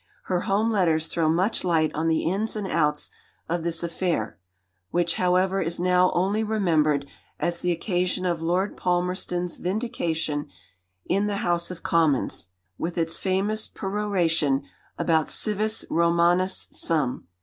Her home letters throw much light on the ins and outs of this affair, which, however, is now only remembered as the occasion of Lord Palmerston's vindication in the House of Commons with its famous peroration about Civis Romanus sum.